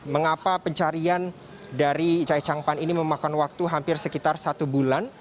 mengapa pencarian dari chai chang pan ini memakan waktu hampir sekitar satu bulan